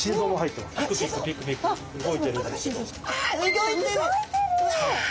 動いてる！